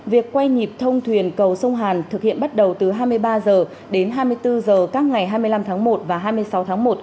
việc quay nhịp thông thuyền cầu sông hàn thực hiện bắt đầu từ hai mươi ba h đến hai mươi bốn h các ngày hai mươi năm tháng một và hai mươi sáu tháng một